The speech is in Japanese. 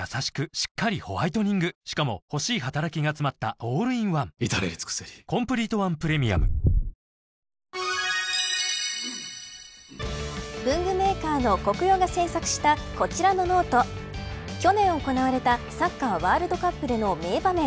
しっかりホワイトニングしかも欲しい働きがつまったオールインワン至れり尽せり文具メーカーのコクヨが製作したこちらのノート去年行われたサッカーワールドカップでの名場面。